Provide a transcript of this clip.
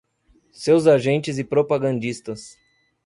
Seus agentes e propagandistas